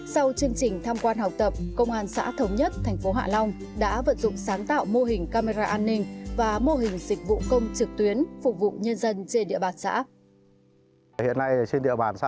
sau chương trình tham quan học tập công an xã thống nhất tp hạ long đã vận dụng sáng tạo mô hình camera an ninh và mô hình dịch vụ công trực tuyến phục vụ nhân dân trên địa bàn xã